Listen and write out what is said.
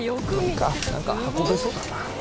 なんか運べそうだな。